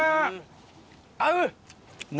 合う！